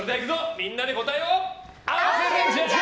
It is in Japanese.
みんなで答えを。